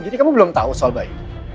jadi kamu belum tau soal bayu